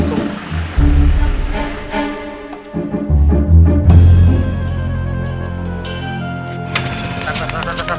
tidak ada sopanya lagi